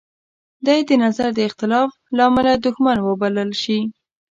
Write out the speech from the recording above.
دی د نظر د اختلاف لامله دوښمن وبلل شي.